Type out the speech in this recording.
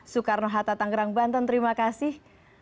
soekarno hatta tanggerang banten terima kasih